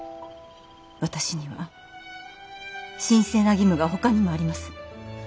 私には神聖な義務がほかにもあります。